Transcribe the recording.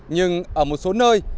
nhưng ở một số nơi